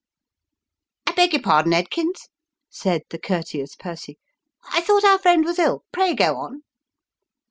" I beg your pardon, Edkins," said the courteous Percy ;" I thought our friend was ill. Pray go on."